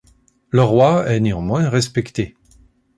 Le roi est néanmoins respecté.